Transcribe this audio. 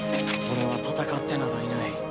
俺は戦ってなどいない。